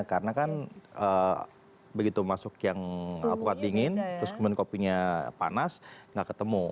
karena kan begitu masuk yang alpukat dingin terus kemudian kopinya panas tidak ketemu